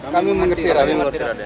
kami mengerti raden